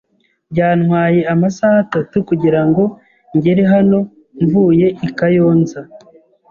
Byantwaye amasaha atatu kugirango ngere hano mvuye i Kayonza